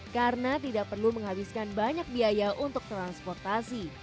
karena tidak perlu menghabiskan banyak biaya untuk transportasi